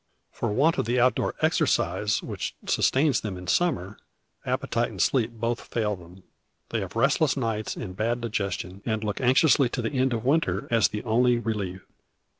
For want of the out door exercise which sustains them in summer, appetite and sleep both fail them. They have restless nights and bad digestion, and look anxiously to the end of winter as the only relief.